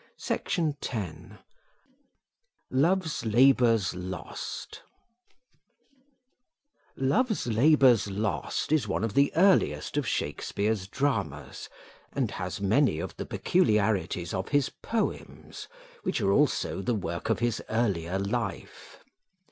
Return. "LOVE'S LABOURS LOST" Love's Labours Lost is one of the earliest of Shakespeare's dramas, and has many of the peculiarities of his poems, which are also the work of his earlier life.